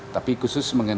tapi khusus mengenai